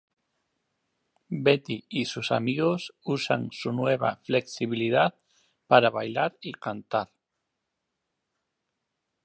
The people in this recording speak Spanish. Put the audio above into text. Betty y sus amigos usan su nueva flexibilidad para bailar y cantar.